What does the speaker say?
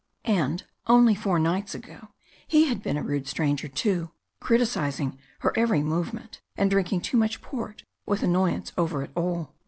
And only four nights ago he had been a rude stranger, too, criticising her every movement, and drinking too much port with annoyance over it all.